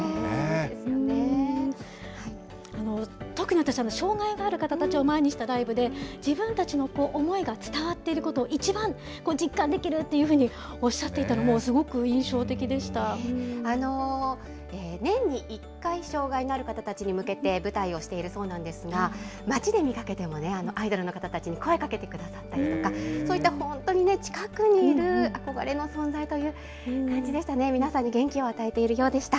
特に私、障害がある方たちを前にしたライブで、自分たちの思いが伝わっていることを、一番実感できるっていうふうにおっしゃっていたのも、すごく印象的でし年に１回、障害のある方たちに向けて舞台をしているそうなんですが、町で見かけても、アイドルの方たちに声かけてくださったりとか、そういった本当にね、近くにいる憧れの存在という感じでしたね、皆さんに元気を与えているようでした。